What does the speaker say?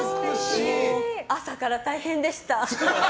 朝から大変でした。